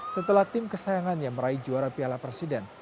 setelah tim kesayangan yang meraih juara piala presiden